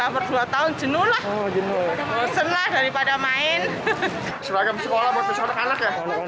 berdua tahun jenuh lah senang daripada main seragam sekolah untuk anak anak